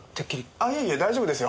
いえいえ大丈夫ですよ。